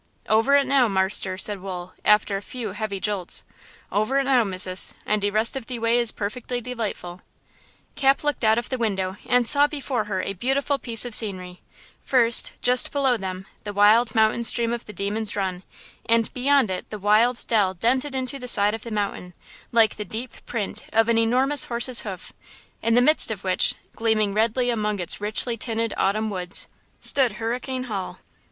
"Over it now, marster," said Wool, after a few heavy jolts. "Over it now, missus; and de rest of de way is perfectly delightful." Cap looked out of the window and saw before her a beautiful piece of scenery–first, just below them, the wild mountain stream of the Demon's Run, and beyond it the wild dell dented into the side of the mountain, like the deep print of an enormous horse's hoof, in the midst of which, gleaming redly among its richly tinted autumn woods, stood Hurricane Hall.